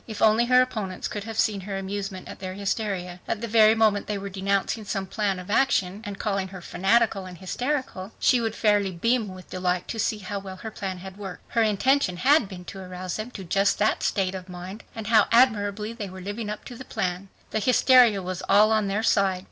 If only her opponents could have seen her amusement at their hysteria. At the very moment they were denouncing some plan of action and calling her "fanatical" and "hysterical" she would fairly beam with delight to see how well her plan had worked. Her intention had been to arouse them to just that state of mind, and how admirably they were living up to the plan. The hysteria was all on their side.